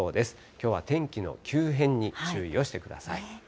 きょうは天気の急変に注意をしてください。